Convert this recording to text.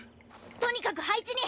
とにかく配置に。